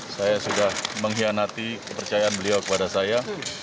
saya sudah mengkhianati kepercayaan beliau kepada saya